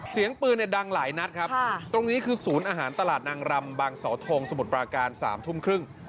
เสียงปืนเนี่ยดังหลายนัดครับตรงนี้คือศูนย์อาหารตลาดนางรำบางเสาทงสมุทรปราการ๓ทุ่มครึ่ง